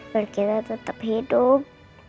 biar kita tetep hidup